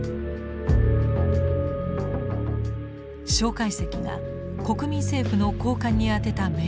介石が国民政府の高官にあてた命令書。